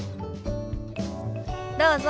どうぞ。